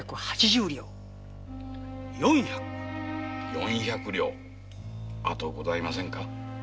四百両あとございませんか？